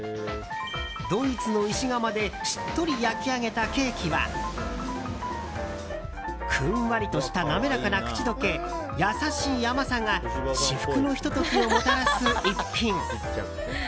ドイツの石窯でしっとり焼き上げたケーキはふんわりとした滑らかな口溶け優しい甘さが至福のひと時をもたらす逸品！